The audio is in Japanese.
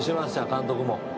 監督も。